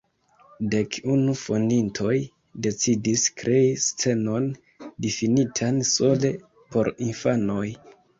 Dek unu fondintoj decidis krei scenon difinitan sole por infanoj.